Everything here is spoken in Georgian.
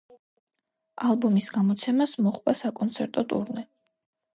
ალბომის გამოცემას მოჰყვა საკონცერტო ტურნე.